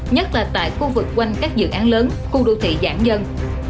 nhất là tại khu vực quanh các dự án lớn khu đô thị giãn dân